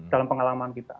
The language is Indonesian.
dalam pengalaman kita